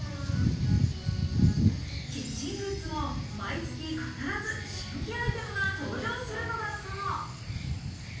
キッチングッズも毎月、必ず新規アイテムが登場するのだそう。